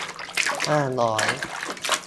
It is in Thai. ห้าร้อย